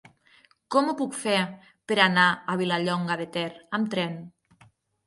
Com ho puc fer per anar a Vilallonga de Ter amb tren?